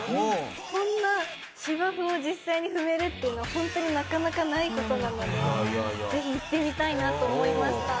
こんな芝生を実際に踏めるっていうのはホントになかなかない事なのでぜひ行ってみたいなと思いました。